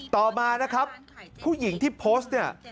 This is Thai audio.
ต่อมานะครับผู้หญิงที่โพสต์เนี่ย